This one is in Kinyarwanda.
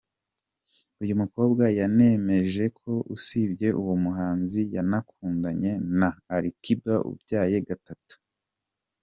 Uyu mukobwa yanemeje ko usibye uwo muhanzi yanakundanye na Alikiba ubyaye gatatu.